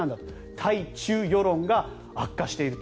対中世論が悪化していると。